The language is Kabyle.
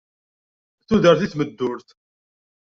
Tudert i tmeddurt!